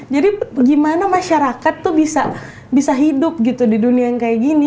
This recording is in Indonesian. jadi gimana masyarakat tuh bisa hidup gitu di dunia yang kayak gini